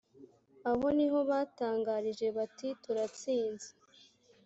aho ni ho batangarije bati turatsinze